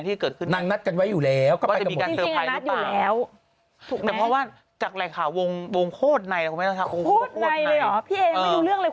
แต่เขาบอกถลักกันก็ห้ามกันไม่ได้หรอก